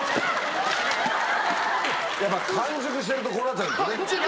やっぱ完熟してるとこうなっちゃうんですね。